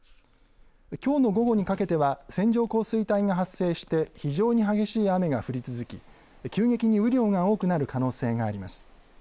きょうの午後にかけては線状降水帯が発生して非常に激しい雨が降り続き急激に雨量が多くなる可能性があります。